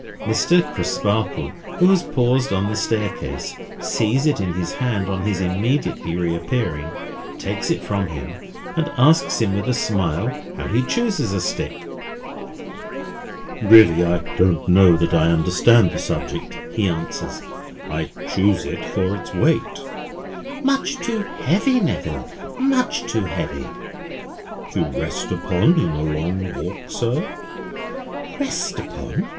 Mr. Crisparkle, who has paused on the staircase, sees it in his hand on his immediately reappearing, takes it from him, and asks him with a smile how he chooses a stick? "Really I don't know that I understand the subject," he answers. "I chose it for its weight." "Much too heavy, Neville; much too heavy." "To rest upon in a long walk, sir?" "Rest upon?"